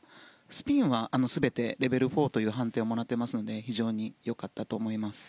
スピンは全てレベル４という判定をもらっていますので非常に良かったと思います。